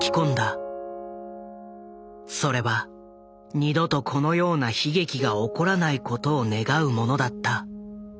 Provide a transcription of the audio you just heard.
それは二度とこのような悲劇が起こらないことを願うものだった。